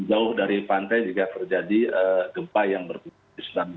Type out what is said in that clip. jauh dari pantai juga terjadi gempa yang berpotensi tsunami